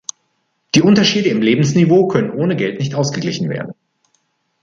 Die Unterschiede im Lebensniveau können ohne Geld nicht ausgeglichen werden.